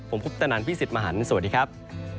ผมคุปตนันพี่สิทธิ์มหันฯสวัสดีครับ